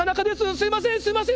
すいませんすいません